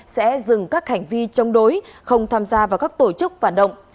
sẽ dừng các hành vi chống đối không tham gia vào các tổ chức phản động